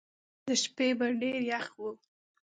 د شپې به ډېر یخ وو.